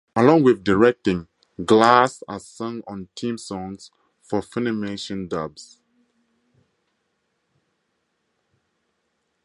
Along with directing, Glass has sung on theme songs for Funimation dubs.